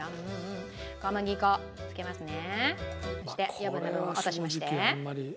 小麦粉を付けますね。